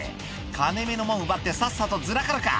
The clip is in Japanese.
「金目のもん奪ってさっさとずらかるか」